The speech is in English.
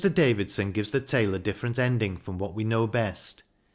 Davidson gives the tale a different ending from what we know best.